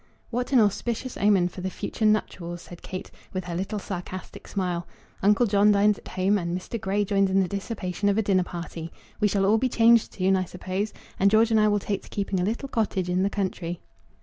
"What an auspicious omen for the future nuptials!" said Kate, with her little sarcastic smile. "Uncle John dines at home, and Mr. Grey joins in the dissipation of a dinner party. We shall all be changed soon, I suppose, and George and I will take to keeping a little cottage in the country."